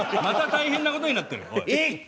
また大変な事になってるおい。